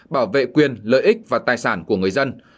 bảo vệ quyền lợi ích và tài sản của người dân